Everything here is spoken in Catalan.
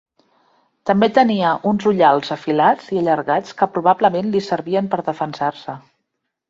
També tenia uns ullals afilats i allargats que probablement li servien per defensar-se.